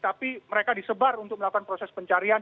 tapi mereka disebar untuk melakukan proses pencarian